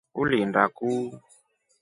Ulinda kuu.